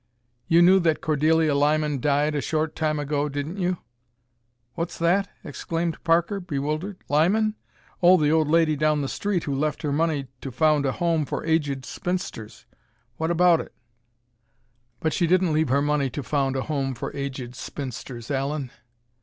"You knew that Cordelia Lyman died a short time ago, didn't you?" "What's that?" exclaimed Parker, bewildered. "Lyman? Oh, the old lady down the street who left her money to found a home for aged spinsters? What about it?" "But she didn't leave her money to found a home for aged spinsters, Allen.